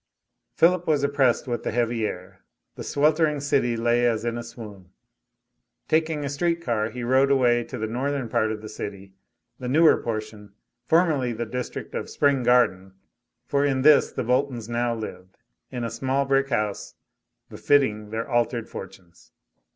Philip was oppressed with the heavy air; the sweltering city lay as in a swoon. Taking a street car, he rode away to the northern part of the city, the newer portion, formerly the district of Spring Garden, for in this the Boltons now lived, in a small brick house, befitting their altered fortunes.